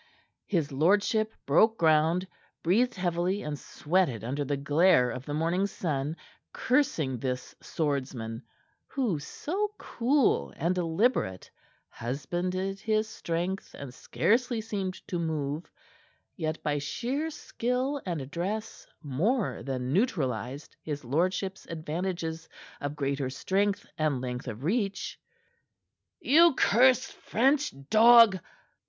His lordship broke ground, breathed heavily, and sweated under the glare of the morning sun, cursing this swordsman who, so cool and deliberate, husbanded his strength and scarcely seemed to move, yet by sheer skill and address more than neutralized his lordship's advantages of greater strength and length of reach. "You cursed French dog!"